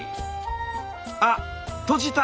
あっ閉じた！